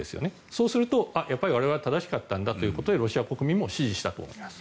そうすると、やっぱり我々は正しかったんだということでロシア国民も支持したと思います。